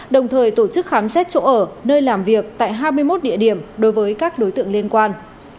đồng thời tổ chức khám xét chỗ ở nơi làm việc tại hai mươi một địa điểm đối với các đối tượng liên quan